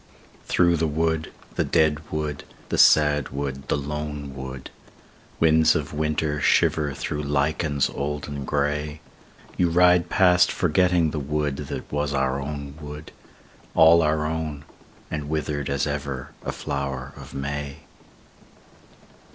Through the wood, the dead wood, the sad wood, the lone wood, Winds of winter shiver through lichens old and grey, You ride past forgetting the wood that was our own wood, All our own and withered as ever a flower of May.